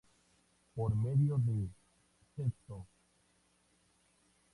Por medio de Sto.